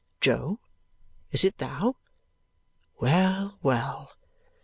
Jo, is it thou? Well, well!